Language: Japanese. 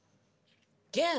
げん。